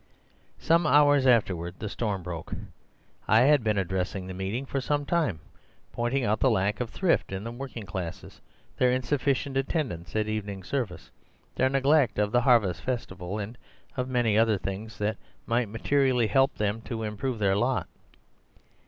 Some hours afterward the storm broke. I had been addressing the meeting for some time, pointing out the lack of thrift in the working classes, their insufficient attendance at evening service, their neglect of the Harvest Festival, and of many other things that might materially help them to improve their lot.